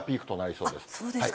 そうですか。